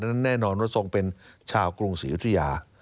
แน่นอนว่าทรงเป็นชาวกรุงศรียุธยา